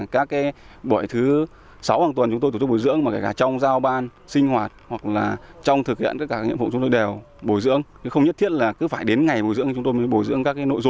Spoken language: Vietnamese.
chúng tôi mới bổ dưỡng các nội dung